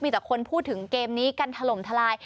มีแต่คนพูดถึงเกมนี้กันถล่มทลาย